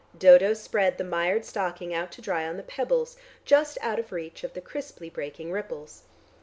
Dodo spread the mired stocking out to dry on the pebbles, just out of reach of the crisply breaking ripples.